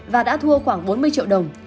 và đã thua khoảng bốn mươi triệu đồng